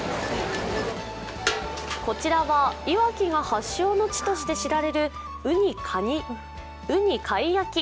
こちらはいわきが発祥の地として知られる、うに貝焼き。